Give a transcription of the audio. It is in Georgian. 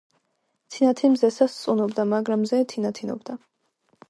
თინათინ მზესა სწუნობდა, მაგრამ მზე თინათინობდა.